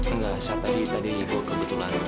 enggak saat tadi tadi gue kebetulan